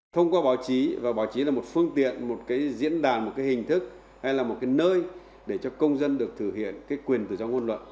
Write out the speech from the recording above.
thông qua báo chí và báo chí là một phương tiện một diễn đàn một hình thức hay là một nơi để cho công dân được thực hiện quyền tự do ngôn luận